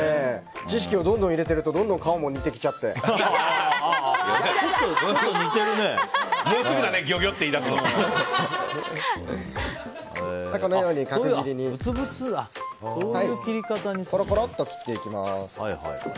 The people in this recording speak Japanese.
知識をどんどん入れてるとどんどん顔ももうすぐだね、ギョギョ！ってこのように角切りにコロコロっと切っていきます。